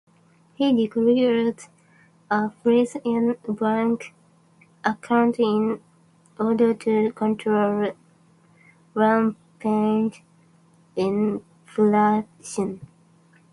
He declared a freeze in bank accounts in order to control rampant inflation.